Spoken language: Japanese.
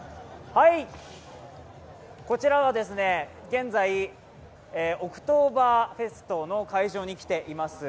現在、オクトーバーフェストの会場に来ています。